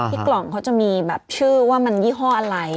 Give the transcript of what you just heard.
กล่องเขาจะมีแบบชื่อว่ามันยี่ห้ออะไร